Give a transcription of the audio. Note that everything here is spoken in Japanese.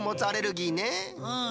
うん。